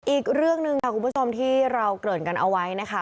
อีกเรื่องหนึ่งค่ะคุณผู้ชมที่เราเกริ่นกันเอาไว้นะคะ